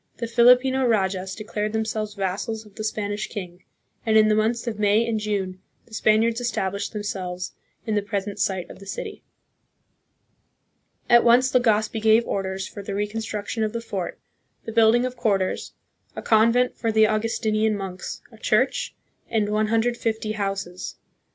The Filipino rajas declared themselves vassals of the Spanish king, and in the months of May and June the Spaniards established themselves in the present site of the city. 136 THE PHILIPPINES. At once Legazpi gave orders for the reconstruction of the fort, the building of quarters, a convent for the Au gustinian monks, a church, and 150 houses.